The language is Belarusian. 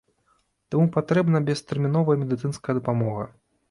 Таму патрэбна без тэрміновая медыцынская дапамога.